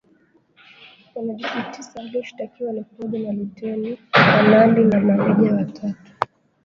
Wanajeshi tisa walioshtakiwa ni pamoja na lutein, kanali na mameja watatu